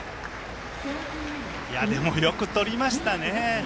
でも、よくとりましたね。